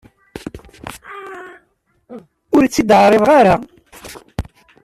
Ur tt-id-ɛriḍeɣ ara.